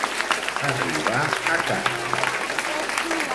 Arribar a cap.